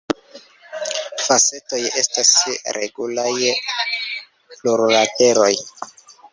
Facetoj estas regulaj plurlateroj.